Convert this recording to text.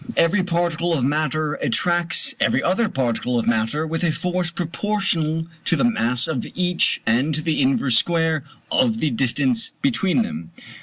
Every particle of matter attracts every other particle of matter with a force proportional to the mass of each and to the inverse square of the distance between them.